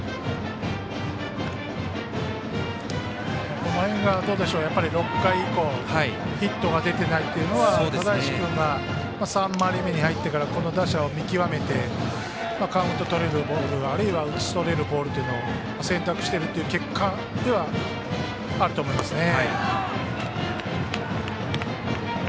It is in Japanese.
この辺が６回以降ヒットが出ていないというのは３回り目に入ってから打者を見極めてカウントをとれるボールあるいは打ち取れるボールを選択しているという結果ではあると思いますね。